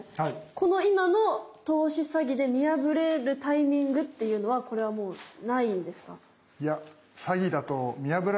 この今の投資詐欺で見破れるタイミングっていうのはこれはもうないんですか？